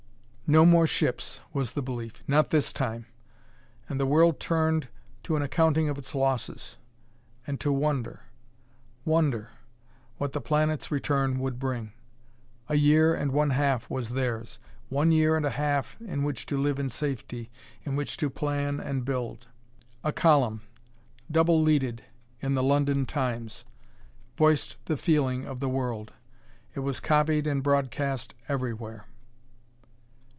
"No more ships," was the belief; "not this time." And the world turned to an accounting of its losses, and to wonder wonder what the planet's return would bring. A year and one half was theirs; one year and a half in which to live in safety, in which to plan and build. A column, double leaded, in the London Times voiced the feeling of the world. It was copied and broadcast everywhere.